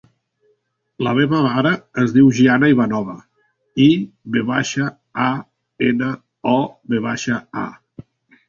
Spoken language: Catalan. La meva mare es diu Gianna Ivanova: i, ve baixa, a, ena, o, ve baixa, a.